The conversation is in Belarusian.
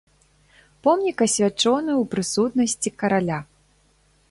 Помнік асвячоны ў прысутнасці караля.